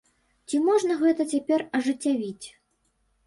Ці можна гэта цяпер ажыццявіць?